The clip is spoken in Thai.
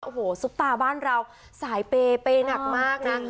โอ้โหซุปตาบ้านเราสายเปย์หนักมากนะ